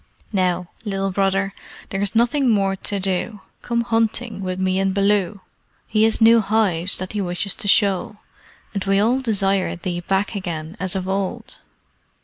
Now, Little Brother, there is nothing more to do. Come hunting with me and Baloo. He has new hives that he wishes to show, and we all desire thee back again as of old.